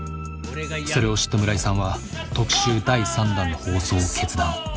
それを知った村井さんは特集第３弾の放送を決断。